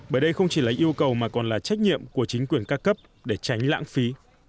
bởi đây không chỉ là yêu cầu mà còn là trách nhiệm của chính quyền ca cấp để tránh lãng phí